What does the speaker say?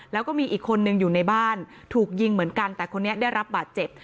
แล้วก็มีอีกคนนึงอยู่ในบ้านถูกยิงเหมือนกันแต่คนนี้ได้รับบาดเจ็บ